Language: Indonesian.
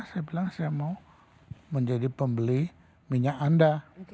saya bilang saya mau menjadi pembeli minyak anda